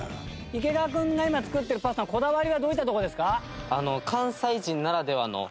池川君が今作ってるパスタのこだわりはどういったところですか？